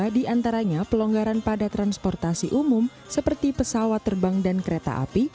di antaranya pelonggaran pada transportasi umum seperti pesawat terbang dan kereta api